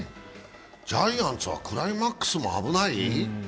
ジャイアンツはクライマックスも危ない？